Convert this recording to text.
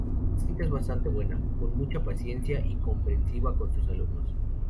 Jacinta es bastante buena, con mucha paciencia y comprensiva con sus alumnos.